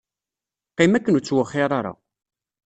Qqim akken ur ttwexxiṛ ara.